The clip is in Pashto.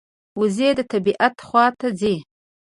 وزې د طبعیت خوا ته ځي